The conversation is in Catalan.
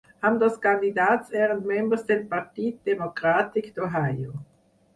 Ambdós candidats eren membres del Partit Democràtic d'Ohio.